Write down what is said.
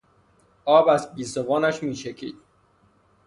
آب از گیسوانش میچکید.